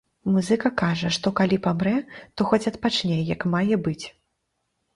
Музыка кажа, што калі памрэ, то хоць адпачне як мае быць.